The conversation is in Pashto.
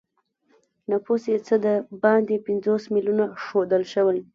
نفوس یې څه د باندې پنځوس میلیونه ښودل شوی.